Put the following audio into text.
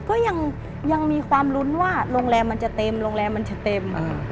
ก็ยังมีความลุ้นว่าโรงแรมมันจะเต็มโรงแรมมันจะเต็ม